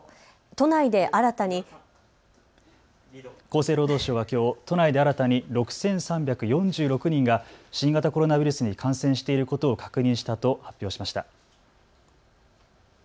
厚生労働省はきょう都内で新たに６３４６人が新型コロナウイルスに感染していることを確認したと発表しました。